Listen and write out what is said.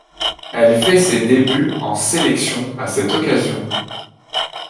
Elle fait ses débuts en sélection à cette occasion.